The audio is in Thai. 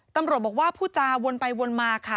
ตำรวจบอกว่าผู้จาวนไปวนมาค่ะ